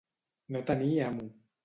No tenir amo.